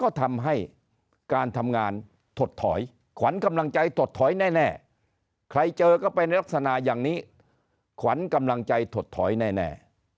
ก็ทำให้การทำงานถดถอยขวัญกำลังใจถดถอยแน่ใครเจอก็เป็นลักษณะอย่างนี้ขวัญกำลังใจถดถอยแน่